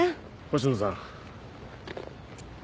星野さん。